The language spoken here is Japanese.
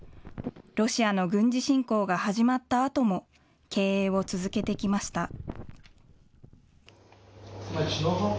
ロシアの軍事侵攻が始まったあとも経営を続けてきました。